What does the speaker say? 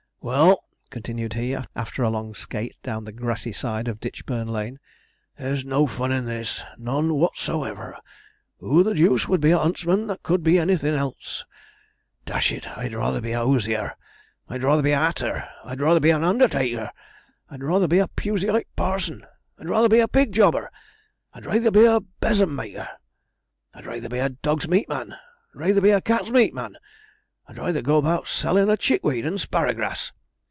Well,' continued he, after a long skate down the grassy side of Ditchburn Lane, 'there's no fun in this none whatever. Who the deuce would be a huntsman that could be anything else? Dash it! I'd rayther be a hosier I'd rayther be a 'atter I'd rayther be an undertaker I'd rayther be a Pusseyite parson I'd rayther be a pig jobber I'd rayther be a besom maker I'd rayther be a dog's meat man I'd rayther be a cat's meat man I'd rayther go about a sellin' of chick weed and sparrow grass!'